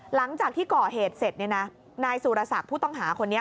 หลังจากที่ก่อเหตุเสร็จนายสุรศักดิ์ผู้ต้องหาคนนี้